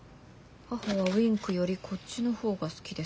母はＷｉｎｋよりこっちの方が好きです母」。